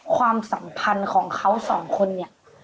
ความสัมพันธ์ของเขาสองคนเนี่ย